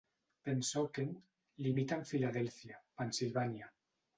Pennsauken limita amb Philadelphia, Pennsylvania.